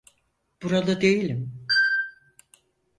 Buralı değilim.